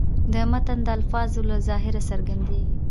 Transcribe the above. د متن د الفاظو له ظاهره څرګندېږي.